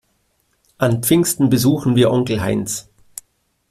An Pfingsten besuchen wir Onkel Heinz.